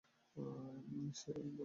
সে এল বলে!